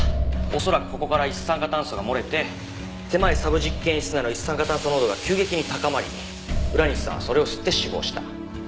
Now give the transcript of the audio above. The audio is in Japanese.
恐らくここから一酸化炭素が漏れて狭いサブ実験室内の一酸化炭素濃度が急激に高まり浦西さんはそれを吸って死亡した。